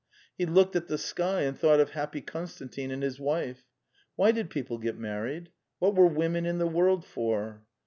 He looked at the sky, and thought of happy Konstantin and his wife. Why did people get married? What were women in the world for?